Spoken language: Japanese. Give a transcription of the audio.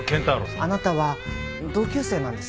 あなたは同級生なんですよね？